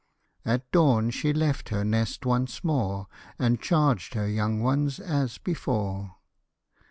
At dawn she left her nest once more, And charged her young ones as before.